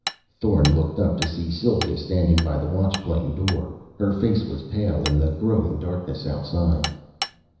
Thorn looked up to see Sylva standing by the Watch plane door. Her face was pale in the growing darkness outside.